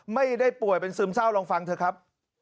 ไม่ได้ป่วยเป็นซึมเศร้าลองฟังเถอะครับ